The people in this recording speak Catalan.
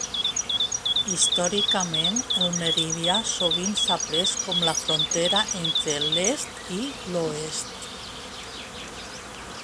Històricament, el meridià sovint s'ha pres com la frontera entre l'est i l'oest.